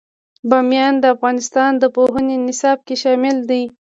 بامیان د افغانستان د پوهنې نصاب کې شامل دي.